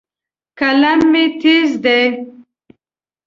قلم مې تیز دی.